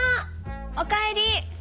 おかえり。